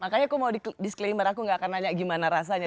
makanya aku mau di sekelimer aku gak akan nanya gimana rasanya